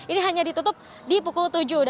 ini hanya ditutup di pukul tujuh